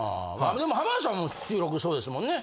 でも浜田さんも収録そうですもんね？